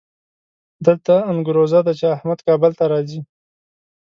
دلته انګروزه ده چې احمد کابل ته راځي.